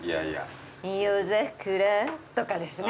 「夜桜」とかですね。